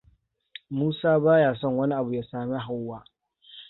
Musa ba ya son wani abu ya sami Hauwa.